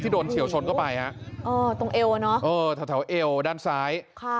โดนเฉียวชนเข้าไปฮะเออตรงเอวอ่ะเนอะเออแถวเอวด้านซ้ายค่ะ